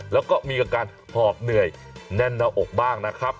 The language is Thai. แล้วก็มีอาการหอบเหนื่อยแน่นหน้าอกบ้างนะครับ